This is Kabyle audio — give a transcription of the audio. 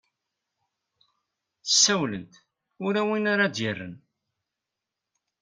ssawlent ula win ara ad-yerren